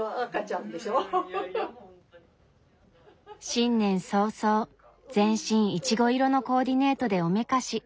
新年早々全身いちご色のコーディネートでおめかし。